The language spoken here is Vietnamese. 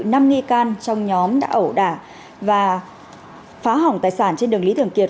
năm nghi can trong nhóm đã ẩu đả và phá hỏng tài sản trên đường lý thường kiệt